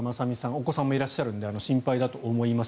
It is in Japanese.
お子さんもいらっしゃるので心配だと思います。